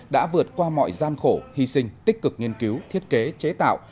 đã vượt qua mọi gian khổ hy sinh tích cực nghiên cứu thiết kế chế tạo